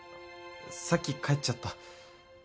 さっき帰っちゃった。